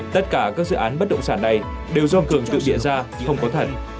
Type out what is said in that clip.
tất cả các dự án bất động sản này đều do cường tự địa ra không có thật